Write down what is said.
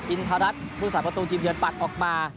อินทรัศนผู้สาประตูทีมเยือนปัดออกมา